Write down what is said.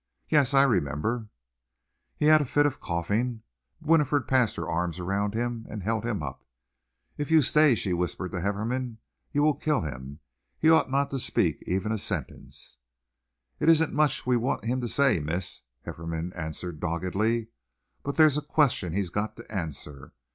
"Yes, I remember!" He had a fit of coughing. Winifred passed her arms around him and held him up. "If you stay," she whispered to Hefferom, "you will kill him. He ought not to speak ever a sentence." "It isn't much we want him to say, miss," Hefferom answered doggedly, "but there's a question he's got to answer.